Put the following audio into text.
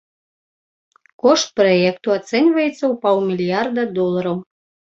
Кошт праекту ацэньваецца ў паўмільярда долараў.